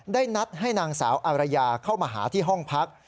ได้นัดให้นางสาวอารยาเข้ามาหาที่ห้องพัก